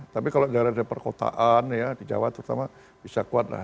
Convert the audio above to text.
tapi kalau daerah daerah perkotaan ya di jawa terutama bisa kuat lah